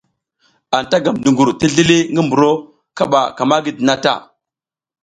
Anta gam duƞgur ti zlili ngi mburo kaɓa ka ma gidi na ta.